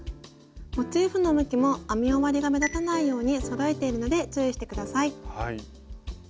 モチーフの向きも編み終わりが目立たないようにそろえているので注意して下さい。